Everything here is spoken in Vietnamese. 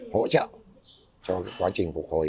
hỗ trợ cho quá trình phục hồi